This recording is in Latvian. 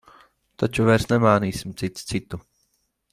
Taču vairs nemānīsim cits citu.